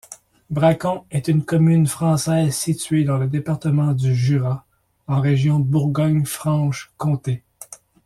Bracon est une commune française située dans le département du Jura, en région Bourgogne-Franche-Comté.